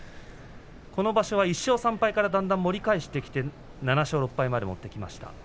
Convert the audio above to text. この場所は１勝３敗から盛り返してきて７勝６敗まできました。